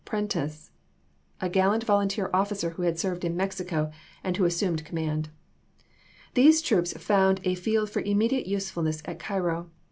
Prentiss, a gal lant volunteer officer, who had served in Mexico, and who assumed command. These troops found a field for immediate useful ness at Cairo.